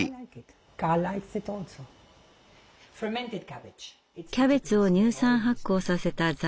キャベツを乳酸発酵させたザワークラウト。